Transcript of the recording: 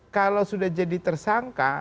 kalau sudah jadi tersangka